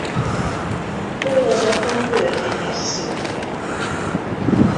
Tollazata vörhenyes szürke.